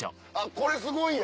これすごいや。